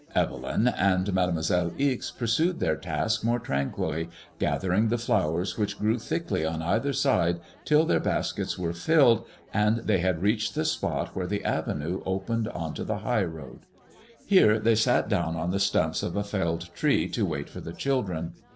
Evelyn and Made moiselle Ixe pursued their task more tranquilly, gathering the flowers which grew thickly on either side till their baskets were filled, and they had reached the ICADBMOISELLS IXS. IJX spot where the avenue opened on to the high road. Here they sat down on the stumps of a felled tree to wait for the children.